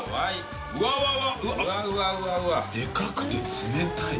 でかくて冷たい。